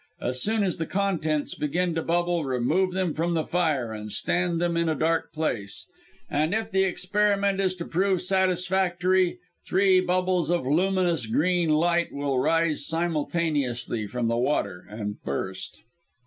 As soon as the contents begin to bubble, remove them from the fire and stand them in a dark place; and if the experiment is to prove satisfactory, three bubbles of luminous green light will rise simultaneously from the water and burst.